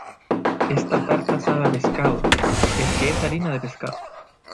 esta tarta sabe a pescado. es que es harina de pescado